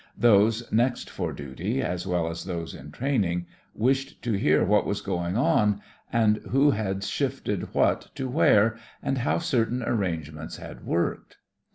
Those next for duty, as well as those in training, wished to hear what was going on, and who had shifted what to where, and how certain arrangements had worked.